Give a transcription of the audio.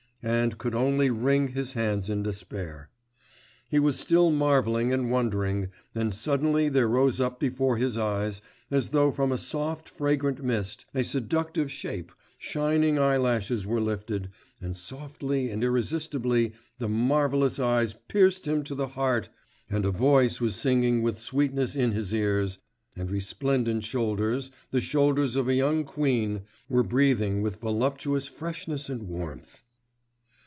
and could only wring his hands in despair. He was still marvelling and wondering, and suddenly there rose up before his eyes, as though from a soft fragrant mist, a seductive shape, shining eyelashes were lifted, and softly and irresistibly the marvellous eyes pierced him to the heart and a voice was singing with sweetness in his ears, and resplendent shoulders, the shoulders of a young queen, were breathing with voluptuous freshness and warmth....